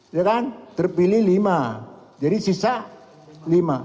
ya kan terpilih lima jadi sisa lima